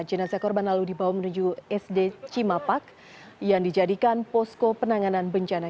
jenazah korban lalu dibawa menuju sd cimapak yang dijadikan posko penanganan bencana